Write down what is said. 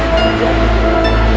orang tua aku